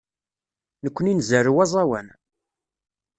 Nekkni nzerrew aẓawan.